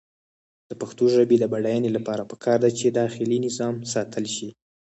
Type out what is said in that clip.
د پښتو ژبې د بډاینې لپاره پکار ده چې داخلي نظام ساتل شي.